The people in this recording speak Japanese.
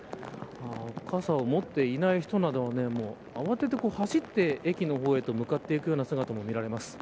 傘を持っていない人などは慌てて走って駅の方へと向かっていくような姿も見られます。